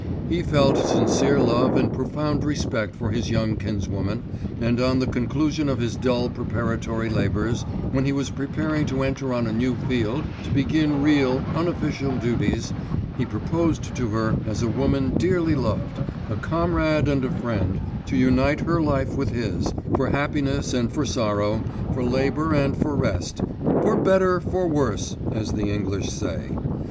He felt sincere love and profound respect for his young kinswoman, and on the conclusion of his dull preparatory labours, when he was preparing to enter on a new field, to begin real, unofficial duties, he proposed to her as a woman dearly loved, a comrade and a friend, to unite her life with his for happiness and for sorrow, for labour and for rest, 'for better, for worse' as the English say.